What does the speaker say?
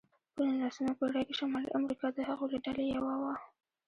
په نوولسمه پېړۍ کې شمالي امریکا د هغوی له ډلې یوه وه.